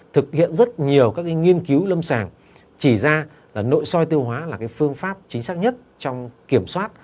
thực hiện rất nhiều các nghiên cứu lâm sàng chỉ ra là nội soi tiêu hóa là phương pháp chính xác nhất trong kiểm soát